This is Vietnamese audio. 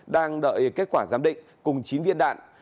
đang đợi kết quả giám định cùng chín viên đạn